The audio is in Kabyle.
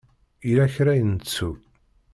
Yella kra i nettu.